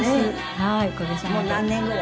はい。